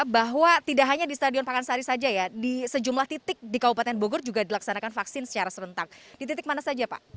bahwa tidak hanya di stadion pakansari saja ya di sejumlah titik di kabupaten bogor juga dilaksanakan vaksin secara serentak di titik mana saja pak